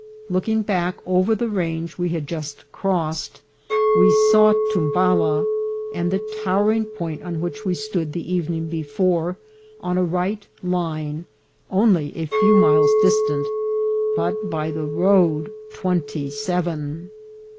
Look ing back over the range we had just crossed, we saw Tumbala, and the towering point on which we stood the evening before, on a right line, only a few miles dis tant, but by the road twenty seven.